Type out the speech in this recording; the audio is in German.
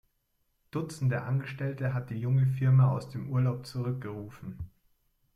Dutzende Angestellte hat die junge Firma aus dem Urlaub zurückgerufen.